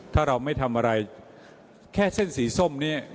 ถ้าเราไม่ทำอะไรแค่เส้นสีส้มเนี่ย